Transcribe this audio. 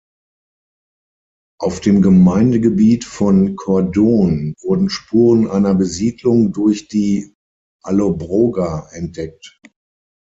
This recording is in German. Auf dem Gemeindegebiet von Cordon wurden Spuren einer Besiedlung durch die Allobroger entdeckt.